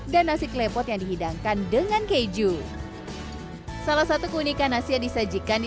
dan nasi klepot yang dihidangkan dengan keju salah satu keunikan nasi yang disajikan di